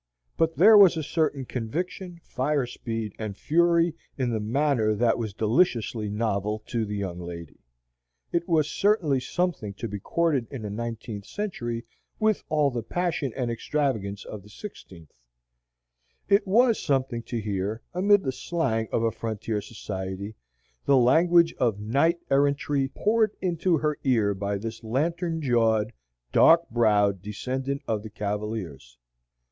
But there was a certain conviction, fire speed, and fury in the manner that was deliciously novel to the young lady. It was certainly something to be courted in the nineteenth century with all the passion and extravagance of the sixteenth; it was something to hear, amid the slang of a frontier society, the language of knight errantry poured into her ear by this lantern jawed, dark browed descendant of the Cavaliers.